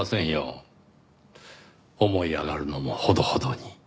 思い上がるのもほどほどに。